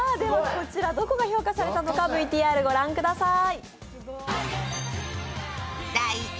こちらどこが評価されたのかＶＴＲ御覧ください。